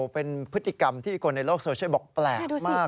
เป็นพฤติกรรมที่คนในโลกโซเชียลบอกแปลกมาก